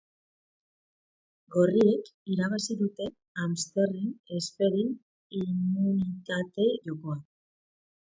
Gorriek irabazi dute hamsterren esferen immunitate jokoa.